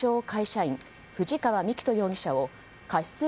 会社員藤川幹人容疑者を過失